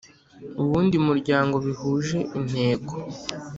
uwundi muryango bihuje intego